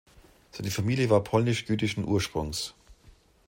Seine Familie war polnisch-jüdischen Ursprungs.